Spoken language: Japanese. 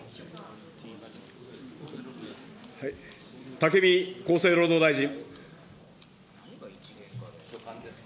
武見厚生労働大臣。